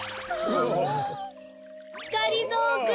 がりぞーくん。